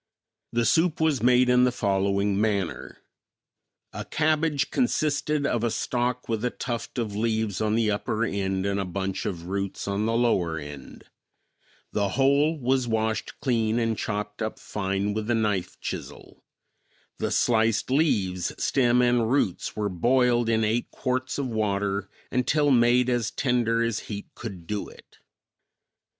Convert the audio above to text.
The soup was made in the following manner: A cabbage consisted of a stalk with a tuft of leaves on the upper end and a bunch of roots on the lower end. The whole was washed clean and chopped up fine with the knife chisel. The sliced leaves, stem and roots were boiled in eight quarts of water until made as tender as heat could do it.